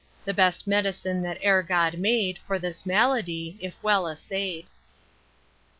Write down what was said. The best medicine that e'er God made For this malady, if well assay'd. X.